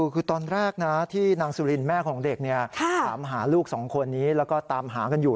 คือตอนแรกนะที่นางสุรินแม่ของเด็กถามหาลูกสองคนนี้แล้วก็ตามหากันอยู่